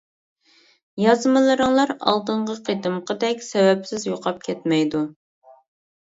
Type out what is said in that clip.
يازمىلىرىڭلار ئالدىنقى قېتىمقىدەك سەۋەبسىز يوقاپ كەتمەيدۇ.